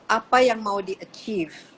apa yang mau diachieve